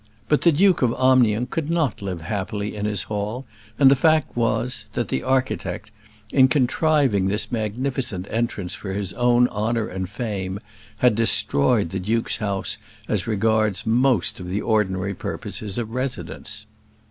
But the Duke of Omnium could not live happily in his hall; and the fact was, that the architect, in contriving this magnificent entrance for his own honour and fame, had destroyed the duke's house as regards most of the ordinary purposes of residence.